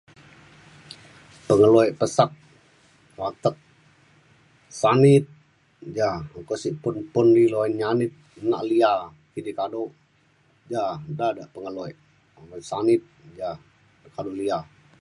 pengeluk ek pesek atek sanit ja uko sik pun pun ilu nyanit nak lia kidi kado ja nta da pengeluek ek me sanit ja kado lia